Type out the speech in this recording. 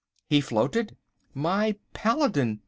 He floated! My paladin!